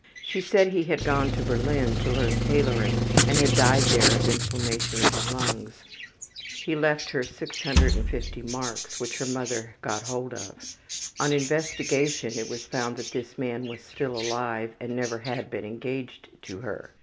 She said he had gone to Berlin to learn tailoring and had died there of inflammation of the lungs. He left her 650 marks which her mother got hold of. On investigation it was found that this man was still alive and never had been engaged to her.